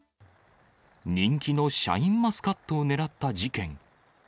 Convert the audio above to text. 人気のシャインマスカットを狙った事件。